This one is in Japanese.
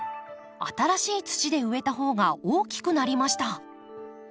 新しい土で植えた方が大きくなりました。